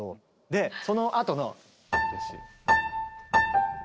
でそのあとの。